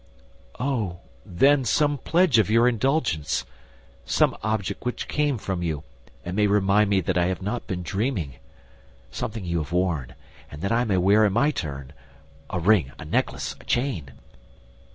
"Oh, then, some pledge of your indulgence, some object which came from you, and may remind me that I have not been dreaming; something you have worn, and that I may wear in my turn—a ring, a necklace, a chain."